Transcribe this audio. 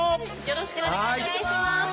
よろしくお願いします。